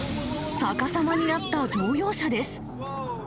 逆さまになった乗用車です。